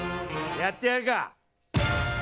やってやるか！